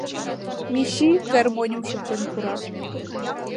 Мичи гармоньым шоктен пура.